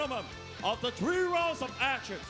หลังจาก๓รอวน์ของแอคชั่น